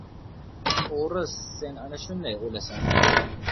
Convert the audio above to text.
— O‘ris! Sen ana shunday o‘lasan!